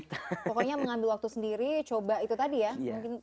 pokoknya mengambil waktu sendiri coba itu tadi ya